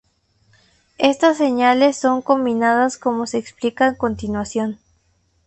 Estas señales son combinadas como se explica a continuación.